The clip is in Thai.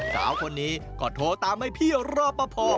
สาวคนนี้ก็โทรตามให้พี่รอปภ